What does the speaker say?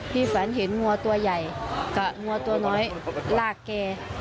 ฝันเห็นวัวตัวใหญ่กับวัวตัวน้อยลากแก